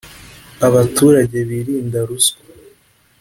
abaturage birinda ruswa.